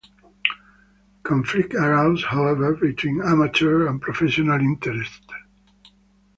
Conflict arose, however, between amateur and professional interests.